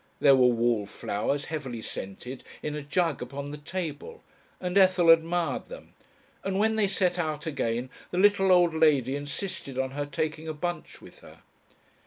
There were wallflowers, heavy scented, in a jug upon the table, and Ethel admired them, and when they set out again the little old lady insisted on her taking a bunch with her.